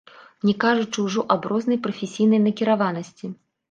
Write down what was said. Не кажучы ўжо аб рознай прафесійнай накіраванасці.